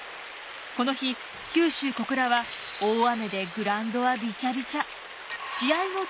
この日九州小倉は大雨でグラウンドはびちゃびちゃ。